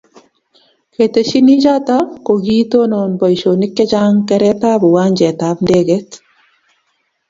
ketesyini choto, ko kiitonon boisionik che chang' keretab uwanjetab ndeget